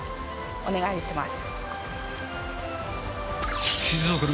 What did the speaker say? お願いします。